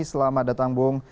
selamat datang bung